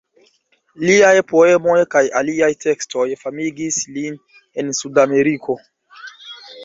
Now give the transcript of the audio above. Liaj poemoj kaj aliaj tekstoj famigis lin en Sudameriko.